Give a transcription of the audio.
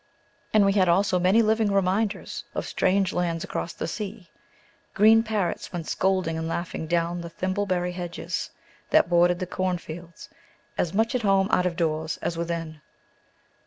And we had also many living reminders of strange lands across the sea. Green parrots went scolding and laughing down the thimbleberry hedges that bordered the cornfields, as much at home out of doors as within.